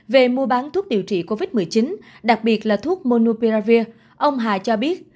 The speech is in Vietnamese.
về mua bán thuốc điều trị covid một mươi chín đặc biệt là thuốc monuperavir ông hà cho biết